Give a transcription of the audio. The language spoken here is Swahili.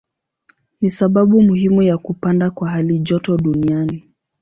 Ni sababu muhimu ya kupanda kwa halijoto duniani.